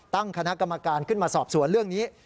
ตั้งคณะกรรมการขึ้นมาสอบสวนเรื่องนี้